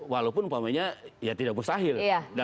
walaupun umpamanya ya tidak mustahil